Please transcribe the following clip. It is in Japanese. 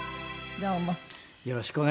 どうも。